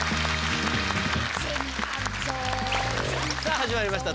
さあ始まりました